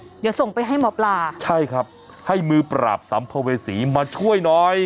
เดี๋ยวส่งไปให้หมอปลาใช่ครับให้มือปราบสัมภเวษีมาช่วยหน่อย